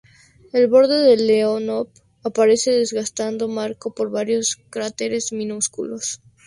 El borde de Leonov aparece desgastado, marcado por varios cráteres minúsculos.